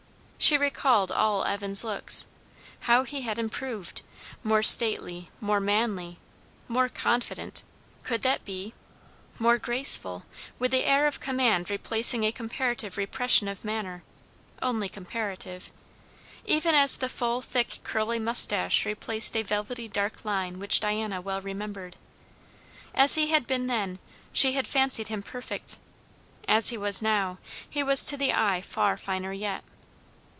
She recalled all Evan's looks. How he had improved! More stately, more manly, more confident (could that be?), more graceful; with the air of command replacing a comparative repression of manner (only comparative), even as the full, thick, curly moustache replaced a velvety dark line which Diana well remembered. As he had been then, she had fancied him perfect; as he was now, he was to the eye far finer yet.